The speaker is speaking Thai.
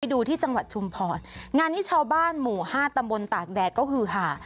ดูที่จังหวัดชุมพรงานนี้ชาวบ้านหมู่ห้าตำบลตากแดดก็คือหา